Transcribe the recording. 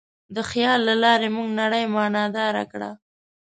د خیال له لارې موږ نړۍ معنیداره کړه.